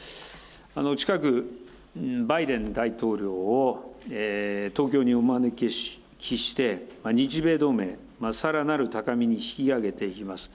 近く、バイデン大統領を東京にお招きして、日米同盟、さらなる高みに引き上げていきます。